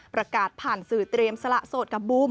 ประกาศผ่านสื่อเตรียมสละโสดกับบูม